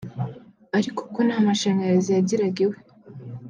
Ariko kuko nta mashanyarazi yagiraga iwe